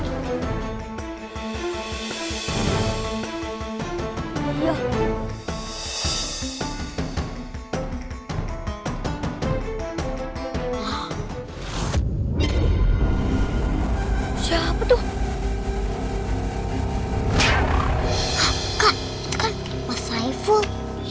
hah kak itu kan mas saiful